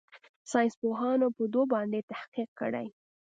ساينسپوهانو په دو باندې تحقيق کړى.